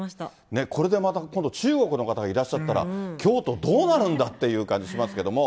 ね、これでまた今度、中国の方がいらっしゃったら、京都、どうなるんだっていう感じしますけども。